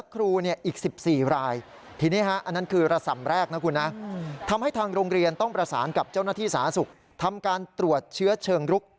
กับเจ้าหน้าที่สาธารณสุขทำการตรวจเชื้อเชิงรุก